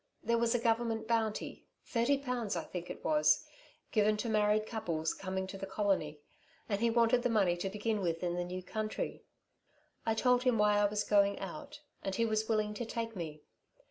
There was a Government bounty thirty pounds I think it was given to married couples coming to the colony, and he wanted the money to begin with in the new country. I told him why I was going out, and he was willing to take me.